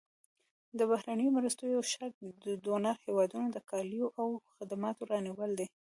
د بهرنیو مرستو یو شرط د ډونر هېوادونو د کالیو او خدماتو رانیول دي.